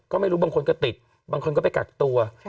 ก็ไม่รู้บางคนก็ติดบางคนก็ไปกักตัว